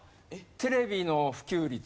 テレビの普及率。